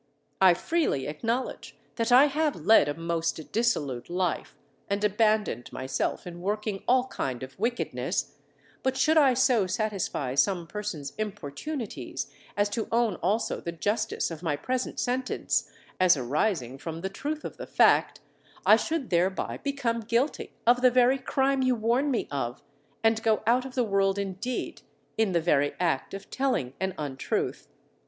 I freely acknowledge that I have led a most dissolute life, and abandoned myself in working all kind of wickedness; but should I so satisfy some persons' importunities as to own also the justice of my present sentence, as arising from the truth of the fact, I should thereby become guilty of the very crime you warn me of, and go out of the world, indeed, in the very act of telling an untruth.